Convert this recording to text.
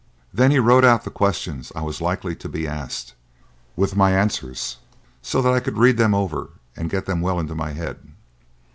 Then he wrote out the questions I was likely to be asked, with my answers, so that I could read them over and get them well into my head.